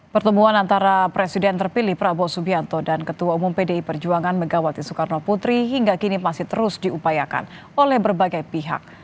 pertemuan antara presiden terpilih prabowo subianto dan ketua umum pdi perjuangan megawati soekarno putri hingga kini masih terus diupayakan oleh berbagai pihak